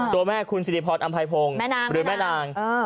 ตัวแม่คุณซิลิพรอสอำไพยพงแม่นาง